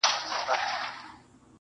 د خلکو حافظه له دې کيسې نه پاکيږي هېڅ-